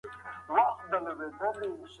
آيا واقعي پوښتنې د حقایقو په اړه دي؟